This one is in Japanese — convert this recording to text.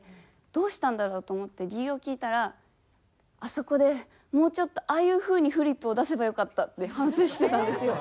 どうしたんだろうと思って理由を聞いたら「あそこでもうちょっとああいう風にフリップを出せばよかった」って反省してたんですよ。